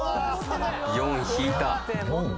４引いた？